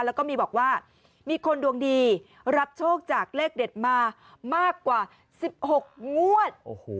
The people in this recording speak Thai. แล้วก็มีบอกว่ามีคนดวงดีรับโชคจากเลขเด็ดมามากกว่า๑๖งวด